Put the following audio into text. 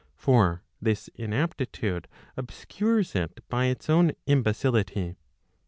For this inaptitude obscures it by its own imbecility.